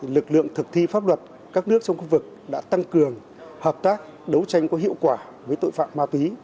lực lượng thực thi pháp luật các nước trong khu vực đã tăng cường hợp tác đấu tranh có hiệu quả với tội phạm ma túy